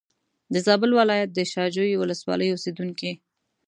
د زابل ولایت د شا جوی ولسوالۍ اوسېدونکی.